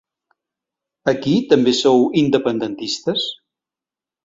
Aquí també sou independentistes?